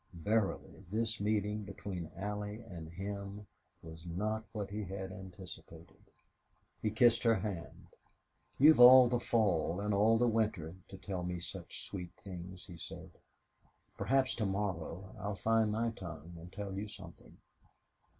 Verily this meeting between Allie and him was not what he had anticipated. He kissed her hand. "You've all the fall and all the winter to tell me such sweet things," he said. "Perhaps to morrow I'll find my tongue and tell you something."